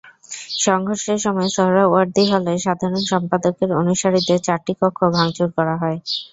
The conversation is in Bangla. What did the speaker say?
সংঘর্ষের সময় সোহরাওয়ার্দী হলে সাধারণ সম্পাদকের অনুসারীদের চারটি কক্ষ ভাঙচুর করা হয়।